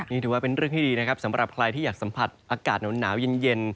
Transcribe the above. นี่ถือว่าเป็นเรื่องที่ดีนะครับสำหรับใครที่อยากสัมผัสอากาศหนาวเย็น